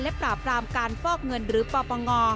ปราบรามการฟอกเงินหรือปปง